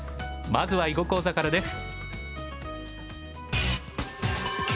まずは囲碁講座からです。